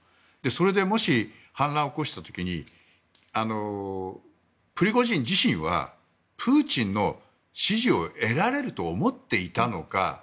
それでもし反乱を起こした時にプリゴジン自身はプーチンの支持を得られると思っていたのか。